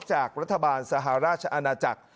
จากรัฐบาลสหราชอาณาจักร